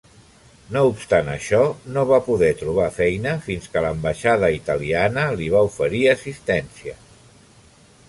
No obstant això, no va poder trobar feina fins que l'ambaixada italiana li va oferir assistència.